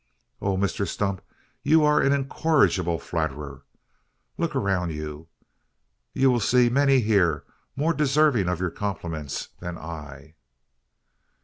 "Oh, Mr Stump! you are an incorrigible flatterer! Look around you! you will see many here more deserving of your compliments than I."